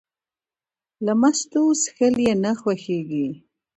له مستو څښل یې نه خوښېږي.